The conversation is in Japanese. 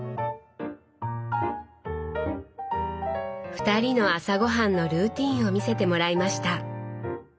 ２人の朝ごはんのルーティーンを見せてもらいました。